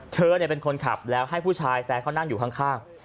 เธอเป็นคนขับแล้วให้ผู้ชายแฟนเขานั่งอยู่ข้าง